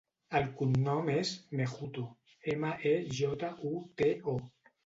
El cognom és Mejuto: ema, e, jota, u, te, o.